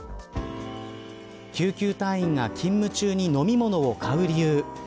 救急隊員が勤務中に飲み物を買う理由